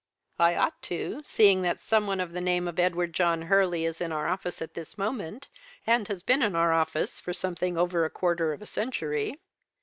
"'I ought to, seeing that some one of the name of Edward John Hurley is in our office at this moment, and has been in our office for something over a quarter of a century.'